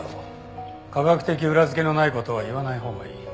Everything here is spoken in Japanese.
科学的裏付けのない事は言わないほうがいい。